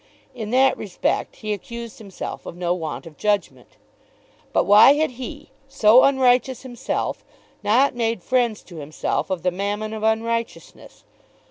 In that respect he accused himself of no want of judgment. But why had he, so unrighteous himself, not made friends to himself of the Mammon of unrighteousness?